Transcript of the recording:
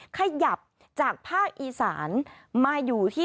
ขยับจากภาคอีสานมาอยู่ที่